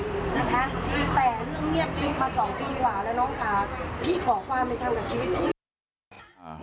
พี่ไปแจ้งตำรวจตำรวจแจ้งความมีแฝงเงียบกริ๊บมา๒ปีกว่าแล้วน้องค่ะ